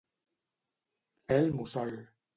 Fer el mussol.